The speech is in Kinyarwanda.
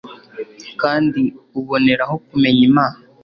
kandi ubonereho kumenya imana